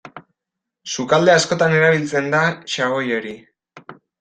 Sukalde askotan erabiltzen da xaboi hori.